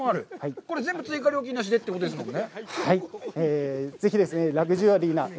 これ、これ、全部、追加料金なしでってことですもんね？